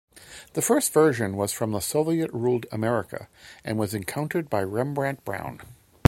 The first version was from the Soviet-ruled America, and was encountered by Rembrandt Brown.